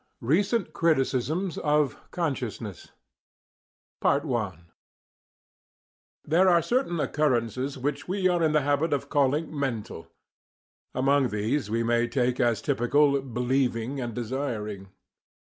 RECENT CRITICISMS OF "CONSCIOUSNESS" There are certain occurrences which we are in the habit of calling "mental." Among these we may take as typical BELIEVING and DESIRING.